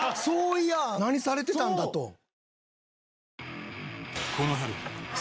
そういやあ何されてたんだと。